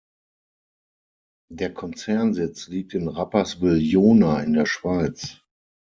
Der Konzernsitz liegt in Rapperswil-Jona in der Schweiz.